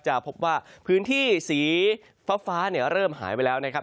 จะพบว่าพื้นที่สีฟ้าเริ่มหายไปแล้วนะครับ